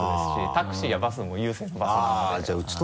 タクシーやバスも成のバスなので。